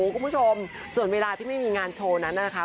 คุณผู้ชมส่วนเวลาที่ไม่มีงานโชว์นั้นนะคะ